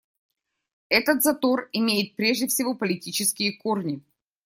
Этот затор имеет прежде всего политические корни.